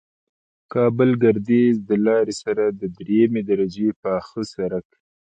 د کابل گردیز د لارې سره د دریمې درجې پاخه سرک